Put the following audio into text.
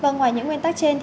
ngoài những nguyên tắc trên